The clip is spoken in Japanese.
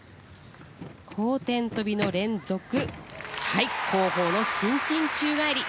後転とびの連続後方の伸身宙返り。